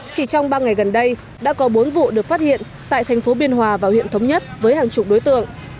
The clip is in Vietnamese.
chỉ trong ba ngày gần đây đã có bốn vụ được phát hiện tại thành phố biên hòa và huyện thống nhất với hàng chục đối tượng